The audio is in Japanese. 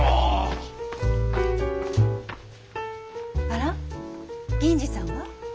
あら銀次さんは？